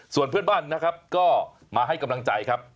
ส่วนเพื่อนบ้านนะครับก็มาให้กำลังใจครับ